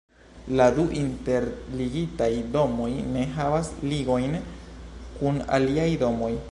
La du interligitaj domoj ne havas ligojn kun aliaj domoj.